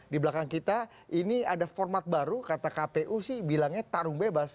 di belakang kita ini ada format baru kata kpu sih bilangnya tarung bebas